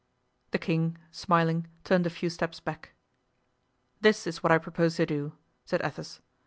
The king, smiling, turned a few steps back. "This is what I propose to do," said Athos.